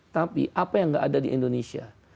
tapi apa yang gak ada di indonesia